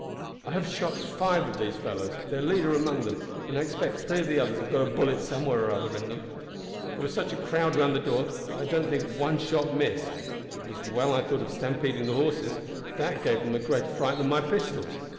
I have shot five of these fellows their leader among them and I expect three of the others have got a bullet somewhere or other in them. There was such a crowd round the door that I don't think one shot missed. It was well I thought of stampeding the horses; that gave them a greater fright than my pistols.